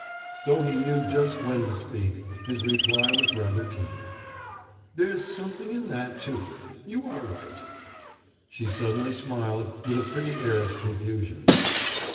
Though he knew just when to speak, his reply was rather tame. "There's something in that, too you are right." She suddenly smiled, with a pretty air of confusion.